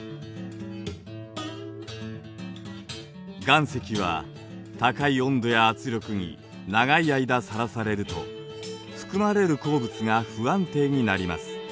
岩石は高い温度や圧力に長い間さらされると含まれる鉱物が不安定になります。